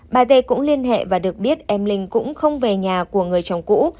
bà t cũng liên hệ và được biết em linh cũng không về nhà của người chồng cũ